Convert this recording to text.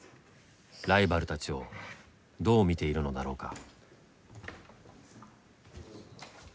ライバルたちをどう見ているのだろうか。